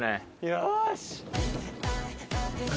よし！